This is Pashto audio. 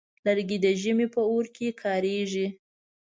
لرګی د ژمي په اور کې کارېږي.